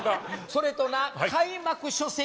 それとな開幕初戦